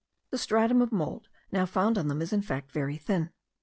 The stratum of mould now found on them is in fact very thin.